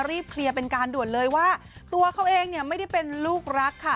เคลียร์เป็นการด่วนเลยว่าตัวเขาเองเนี่ยไม่ได้เป็นลูกรักค่ะ